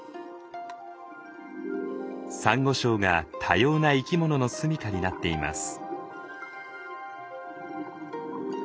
サンゴ礁が多様な生き物のすみかになっています。